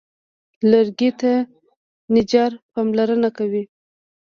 لرګي ته نجار پاملرنه کوي.